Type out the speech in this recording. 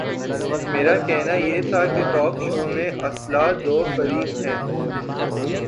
میرا کہنا یہ تھا کہ ٹاک شو میں اصلا دو فریق ہیں۔